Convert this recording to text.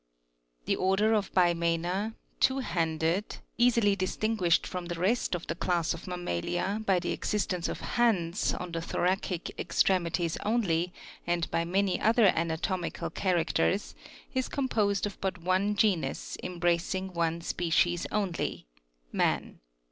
The order of Bimana two handed easily distinguished from the rest of the class of mammalia, by the existence of hands, on the thoracic extremities only, and by many other anatomical characters, is composed of but one genus embracing one species only: MAN.